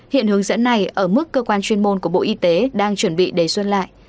hiện hướng dẫn này ở mức cơ quan chuyên môn của bộ y tế đang chuẩn bị đề xuất lại